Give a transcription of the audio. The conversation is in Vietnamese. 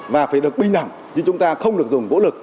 và phải được binh nẳng chứ chúng ta không được dùng vũ lực